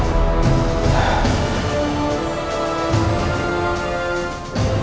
aku ke qualidade yang luar biasa karena lenging